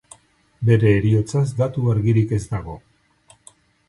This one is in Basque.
Bere heriotzaz datu argirik ez dago.